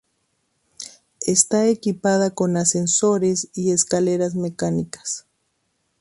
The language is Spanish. Está equipada con ascensores y escaleras mecánicas.